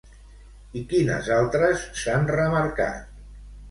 I quines altres s'han remarcat?